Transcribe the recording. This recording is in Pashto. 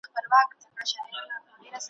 د حاكم له لاسه مېنه سپېره كېږي `